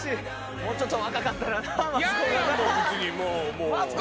もうちょっと若かったらなマツコ